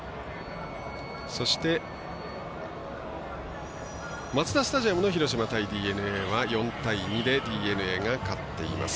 そして、マツダスタジアムの広島対ＤｅＮＡは４対２でＤｅＮＡが勝っています。